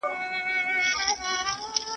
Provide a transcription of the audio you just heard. سپین وریښته دي د غزل و تور اوړي